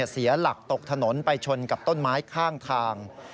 เสียหลักตกถนนไปชนกับต้นไม้ข้างทาง